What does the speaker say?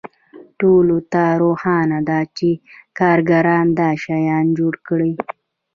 ټولو ته روښانه ده چې کارګرانو دا شیان جوړ کړي